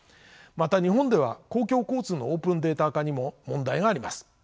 また日本では公共交通のオープンデータ化にも問題があります。